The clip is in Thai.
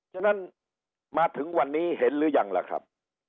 ฉะนั้นมาถึงวันนี้เห็นหรือยังล่ะครับ